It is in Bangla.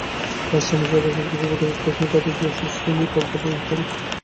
তাঁরা সমাজের অপশক্তিকে প্রতিরোধ করেছেন তাঁদের যশস্বিতা দিয়ে প্রজ্ঞা প্রয়োগ করে।